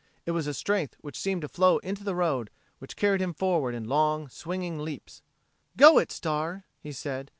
It was a strength which seemed to flow into the road, which carried him forward in long, swinging leaps. "Go it, Star!" he said.